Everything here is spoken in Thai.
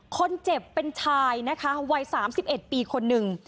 คนเจ็บเป็นชายนะคะวัย๓๑ปีคนหนึ่ง